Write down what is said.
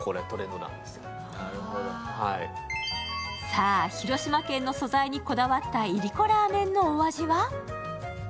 さあ、広島県の素材にこだわったいりこラーメンのお味は？